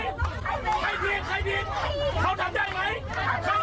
เขาทำได้ไหมใครผิดใครผิดเขาทำได้ไหม